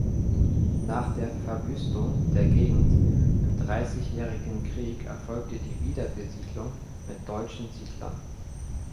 Nach der Verwüstung der Gegend im Dreißigjährigen Krieg erfolgte die Wiederbesiedlung mit deutschen Siedlern.